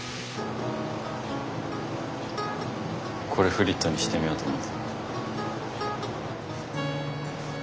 これフリットにしてみようと思って。